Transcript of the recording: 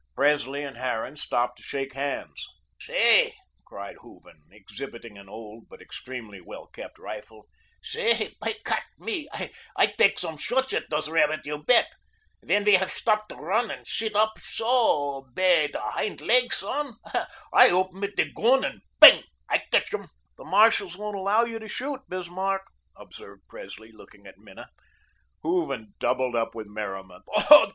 Presley and Harran stopped to shake hands. "Say," cried Hooven, exhibiting an old, but extremely well kept, rifle, "say, bei Gott, me, I tek some schatz at dose rebbit, you bedt. Ven he hef shtop to run und sit oop soh, bei der hind laigs on, I oop mit der guhn und bing! I cetch um." "The marshals won't allow you to shoot, Bismarck," observed Presley, looking at Minna. Hooven doubled up with merriment.